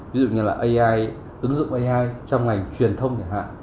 ví dụ như là ai ứng dụng ai trong ngành truyền thông